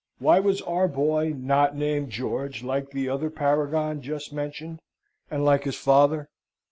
Why was our boy not named George like the other paragon just mentioned, and like his father?